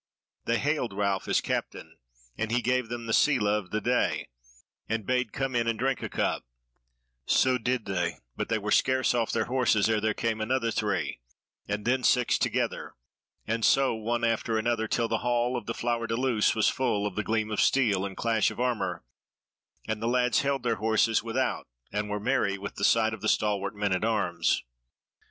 They hailed Ralph as captain, and he gave them the sele of the day and bade come in and drink a cup; so did they, but they were scarce off their horses ere there came another three, and then six together, and so one after other till the hall of the Flower de Luce was full of the gleam of steel and clash of armour, and the lads held their horses without and were merry with the sight of the stalwart men at arms.